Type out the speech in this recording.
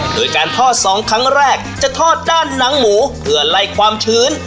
โดยการทอดสองครั้งแรกจะทอดด้านหนังหมูเพื่อไล่ความชื้น